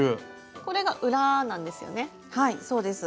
これが裏なんですよね？